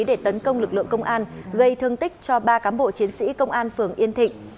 để tấn công lực lượng công an gây thương tích cho ba cám bộ chiến sĩ công an phường yên thịnh